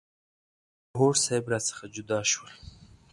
نظري او هوډ صیب را څخه جدا شول.